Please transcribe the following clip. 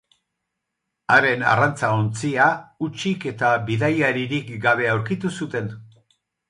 Haren arrantza-ontzia hutsik eta bidaiaririk gabe aurkitu zuten.